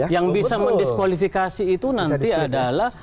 yang bisa mendiskualifikasi itu nanti adalah